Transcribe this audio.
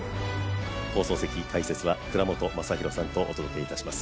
放送席解説は倉本昌弘さんとお届けします。